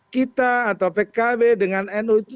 kita atau pkb dengan nu itu